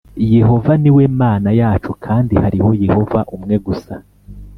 yehova ni we mana yacu, kandi hariho yehova umwe gusa”